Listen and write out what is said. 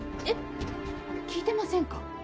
えっ聞いてませんか？